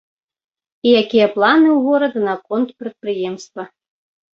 І якія планы ў горада наконт прадпрыемства.